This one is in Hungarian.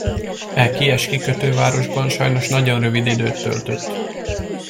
E kies kikötővárosban, sajnos, nagyon rövid időt töltött.